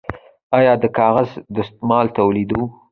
آیا د کاغذ دستمال تولیدوو؟